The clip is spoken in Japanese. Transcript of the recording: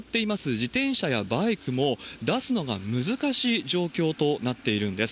自転車やバイクも、出すのが難しい状況となっているんです。